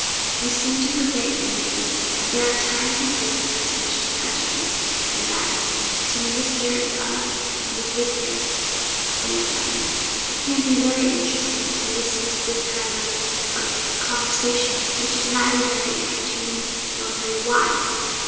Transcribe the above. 'You seem to forget, young lady, that there are times and places for such discussions; and that to Mr. a a your visitor (a glance at me), it can't be very interesting to listen to this kind of of conversation, which is neither very entertaining, nor very wise.'